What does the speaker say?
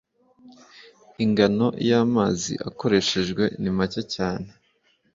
ingano y amazi akoreshejwe nimake cyane